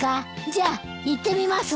じゃあ行ってみます。